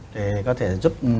để có thể giúp bạn